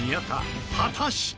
果たして。